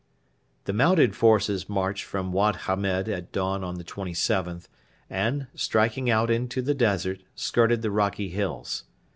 The mounted forces marched from Wad Hamed at dawn on the 27th and, striking out into the desert, skirted the rocky hills.